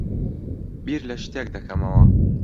بیر لە شتێک دەکەمەوە.